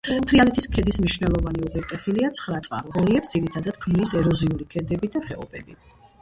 თრიალეთის ქედის მნიშვნელოვანი უღელტეხილია ცხრაწყარო, რელიეფს ძირითადად ქმნის ეროზიული ქედები და ხეობები.